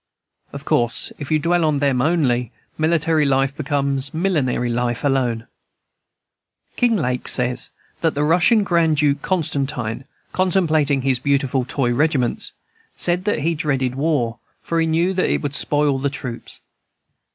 Of course, if you dwell on them only, military life becomes millinery life alone. Kinglake says that the Russian Grand Duke Constantine, contemplating his beautiful toy regiments, said that he dreaded war, for he knew that it would spoil the troops.